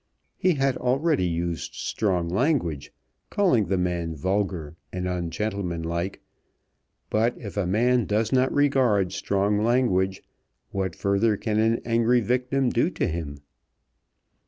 He had already used strong language, calling the man vulgar and ungentlemanlike, but if a man does not regard strong language what further can an angry victim do to him?